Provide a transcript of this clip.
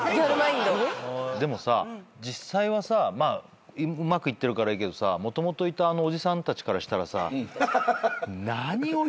でもさ実際はさうまくいってるからいいけどさもともといたあのおじさんたちからしたらさ「何を言ってるんだ？」